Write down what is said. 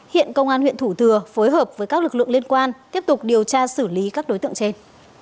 hiện công an huyện thủ thừa phối hợp với các lực lượng liên quan tiếp tục điều tra xử lý các đối tượng trên